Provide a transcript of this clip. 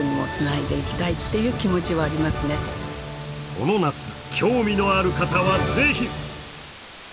この夏、興味のある方はぜひ！